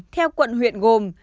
theo quận huyện gồm